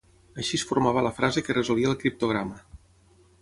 Així es formava la frase que resolia el criptograma.